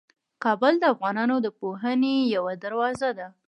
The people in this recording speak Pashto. کابل د افغانانو د پوهنې یوه دروازه ده.